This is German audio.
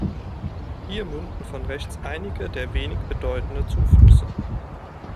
Hier münden von rechts einige der wenig bedeutende Zuflüsse.